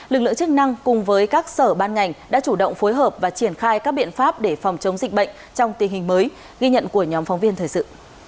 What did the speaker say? lực lượng chức năng cùng với các sở ban ngành đã chủ động phối hợp và triển khai các biện pháp để phòng chống dịch bệnh trong tình hình mới ghi nhận của nhóm phóng viên thời sự